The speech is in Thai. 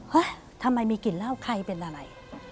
ทำไมมีกลิ่นเหล้าใครเป็นอะไร